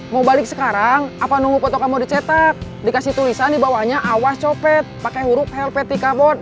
mau balik sekarang apa nunggu foto kamu dicetak dikasih tulisan di bawahnya awas copet pakai huruf lp tiga port